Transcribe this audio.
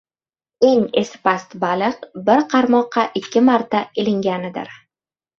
• Eng esi past baliq ― bir qarmoqqa ikki marta ilinganidir.